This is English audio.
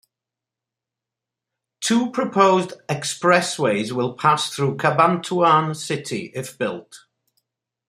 Two proposed expressways will pass through Cabanatuan City if built.